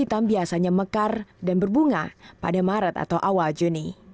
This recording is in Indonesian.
hitam biasanya mekar dan berbunga pada maret atau awal juni